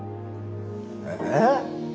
えっ？